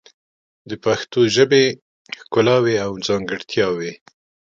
د پښتو ژبې ښکلاوې او ځانګړتیاوې